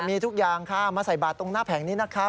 มีทุกอย่างค่ะมาใส่บาทตรงหน้าแผงนี้นะคะ